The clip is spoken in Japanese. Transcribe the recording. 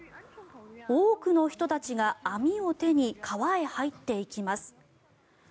多くの人たちが網を手に川へ入っていきます。